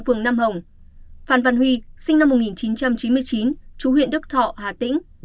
phan văn huy sinh năm một nghìn chín trăm chín mươi chín chú huyện đức thọ hà tĩnh